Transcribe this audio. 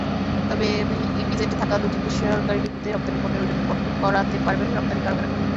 তবে ইপিজেডে থাকা দুটি বেসরকারি ডিপোতে রপ্তানি পণ্যের ওজন করাতে পারবেন রপ্তানিকারকেরা।